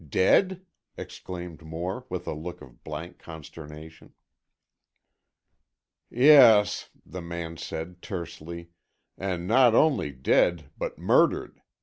Dead?" exclaimed Moore, with a look of blank consternation. "Yes," the man said, tersely, "and not only dead, but murdered.